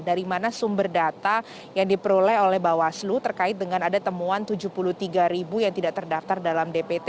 dari mana sumber data yang diperoleh oleh bawaslu terkait dengan ada temuan tujuh puluh tiga ribu yang tidak terdaftar dalam dpt